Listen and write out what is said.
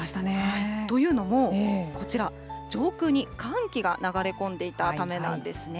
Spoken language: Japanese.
というのも、こちら、上空に寒気が流れ込んでいたためなんですね。